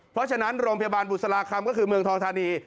เพราะฉะนั้นโรงพยาบาลบุษราคำก็คือเมืองทองธานี